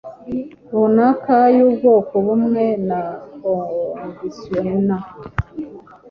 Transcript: runaka y’ubwoko bumwe na conditioner